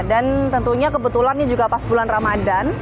dan tentunya kebetulan ini juga pas bulan ramadan